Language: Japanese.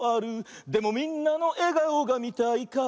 「でもみんなのえがおがみたいから」